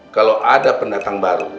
kalau ada pendatang baru